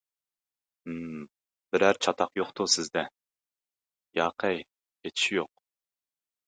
ھىم، بىرەر چاتاق يوقتۇ، سىزدە؟ -ياقەي، ھېچ ئىش يوق!